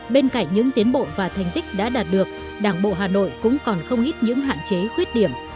bên cạnh những tiến bộ và thành tích đã đạt được đảng bộ hà nội cũng còn không ít những hạn chế khuyết điểm